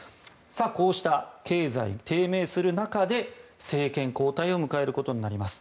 こうした経済低迷する中で政権交代を迎えることになります。